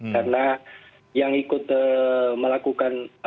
karena yang ikut melakukan